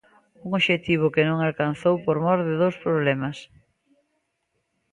Un obxectivo que non alcanzou por mor de dous problemas.